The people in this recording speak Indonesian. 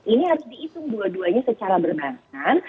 ini harus diisung dua duanya secara berbangan